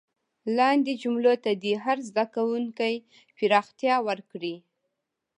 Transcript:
لاندې جملو ته دې هر زده کوونکی پراختیا ورکړي.